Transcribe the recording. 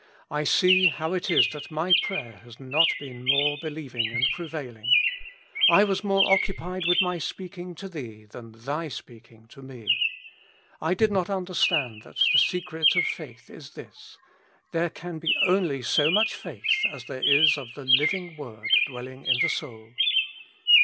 I see how it is that my prayer has not been more believing and prevailing. I was more occupied with my speaking to Thee than Thy speaking to me. I did not understand that the secret of faith is this: there can be only so much faith as there is of the Living Word dwelling in the soul.